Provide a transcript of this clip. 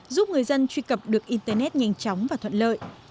giúp người dân truy cập được internet nhanh chóng và thuận lợi